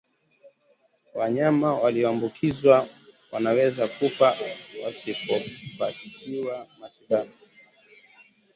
Wanyama walioambukizwa wanaweza kufa wasipopatiwa matibabu